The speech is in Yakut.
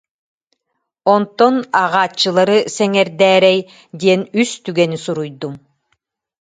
Онтон ааҕааччылары сэҥээр- дээрэй диэн үс түгэни суруйдум